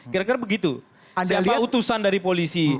kira kira begitu siapa utusan dari polisi